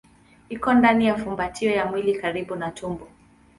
Iko ndani ya fumbatio ya mwili karibu na tumbo.